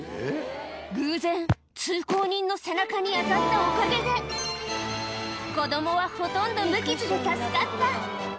偶然、通行人の背中に当たったおかげで、子どもはほとんど無傷で助かった。